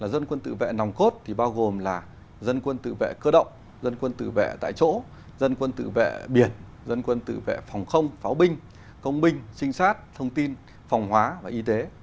dân quân tự vệ nòng cốt bao gồm là dân quân tự vệ cơ động dân quân tự vệ tại chỗ dân quân tự vệ biển dân quân tự vệ phòng không pháo binh công binh trinh sát thông tin phòng hóa và y tế